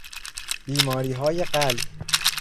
بیماریهای قلب